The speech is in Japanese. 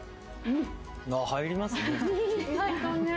入りますね一口。